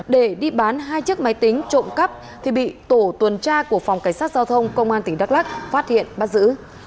để đi bán hai chiếc máy tính trộm cắp thì bị tổ tuần tra của phòng cảnh sát giao thông công an tỉnh đắk lắc phát hiện bắt giữ